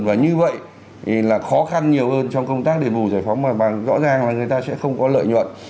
và như vậy thì là khó khăn nhiều hơn trong công tác đền bù giải phóng mà bằng rõ ràng là người ta sẽ không có lợi nhuận